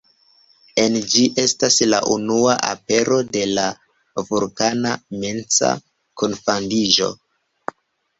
En ĝi estas la unua apero de la Vulkana mensa kunfandiĝo.